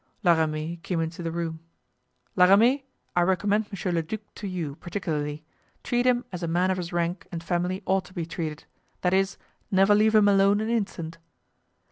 La Ramee came into the room. "La Ramee, I recommend Monsieur le Duc to you, particularly; treat him as a man of his rank and family ought to be treated; that is, never leave him alone an instant."